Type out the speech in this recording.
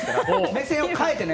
目線を変えてね。